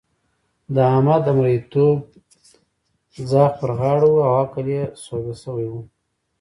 د احمد د مرېيتوب ځغ پر غاړه وو او عقل يې سوده شوی وو.